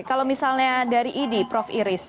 kalau misalnya dari idi prof iris